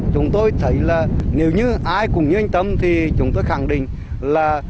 chúng tôi thấy là nếu như ai cũng như anh tâm thì chúng tôi khẳng định là